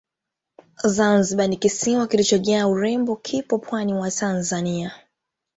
Zanzibari ni kisiwa kilichojaa urembo kipo pwani mwa Tanzania